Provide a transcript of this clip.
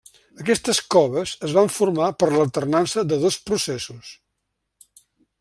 Aquestes coves es van formar per l'alternança de dos processos.